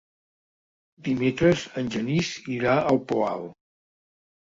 Dimecres en Genís irà al Poal.